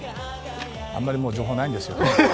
あまり、もう情報、ないんですよね。